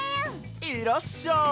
いらっしゃい。